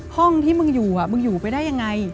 ห้องที่มึงอยู่มึงอยู่ไปได้ยังไง